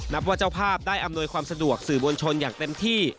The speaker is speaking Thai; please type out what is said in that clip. นับว่าเจ้าภาพได้อำนวยความสะดวกสื่อมวลชนอย่างเต็มที่